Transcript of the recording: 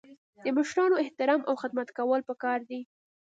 د مشرانو احترام او خدمت کول پکار دي.